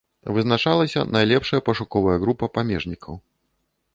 Вызначалася найлепшая пашуковая група памежнікаў.